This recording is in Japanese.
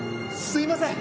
すみません！